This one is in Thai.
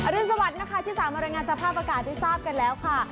รุนสวัสดิ์นะคะที่สามารถรายงานสภาพอากาศได้ทราบกันแล้วค่ะ